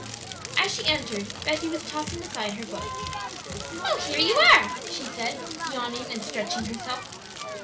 As she entered Betty was tossing aside her book. "So here you are!" she said, yawning and stretching herself.